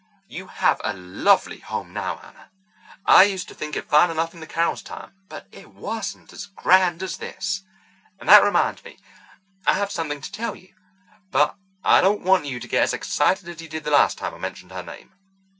"You have a lovely home now, Anna. I used to think it fine enough in the Carrolls' time, but it wasn't as grand as this. And that reminds me, I have something to tell you, but I don't want you to get as excited as you did the last time I mentioned her name.